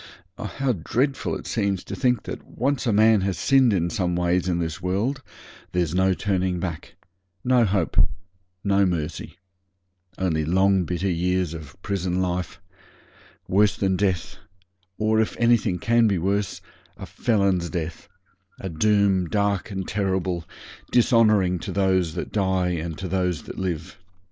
Oh! how dreadful it seems to think that when once a man has sinned in some ways in this world there's no turning back no hope no mercy only long bitter years of prison life worse than death; or, if anything can be worse, a felon's death; a doom dark and terrible, dishonouring to those that die and to those that live.